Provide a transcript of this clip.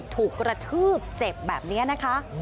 กระทืบเจ็บแบบนี้นะคะ